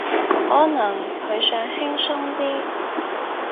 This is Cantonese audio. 可能佢想輕鬆啲